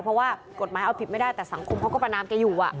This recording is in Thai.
เพราะว่ากฎหมายเอาผิดไม่ได้แต่สังคมเขาก็ประนามแกอยู่